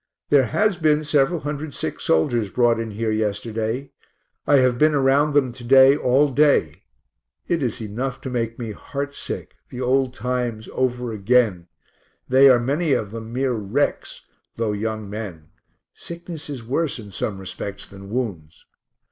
There has been several hundred sick soldiers brought in here yesterday. I have been around among them to day all day it is enough to make me heart sick, the old times over again; they are many of them mere wrecks, though young men (sickness is worse in some respects than wounds).